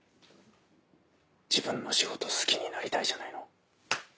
自分の仕事好きになりたいじゃないの。